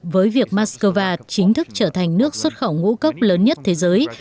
với việc moscow chính thức trở thành nước xuất khẩu ngũ cốc lớn nhất thế giới